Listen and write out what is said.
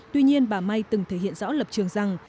tuy nhiên bà may từng thể hiện rõ lập trường rằng